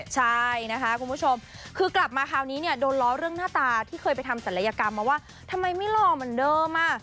ใช่นะคะคุณผู้ชมคือกลับมาคราวนี้เนี่ยโดนล้อเรื่องหน้าตาที่เคยไปทำศัลยกรรมมาว่าทำไมไม่หล่อเหมือนเดิมอ่ะ